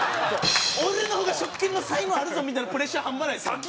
「俺の方が食券の才能あるぞ」みたいなプレッシャー半端ないですよね。